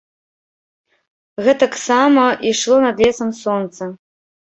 Гэтаксама ішло над лесам сонца.